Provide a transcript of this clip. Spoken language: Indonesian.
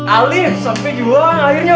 alif sampai juang akhirnya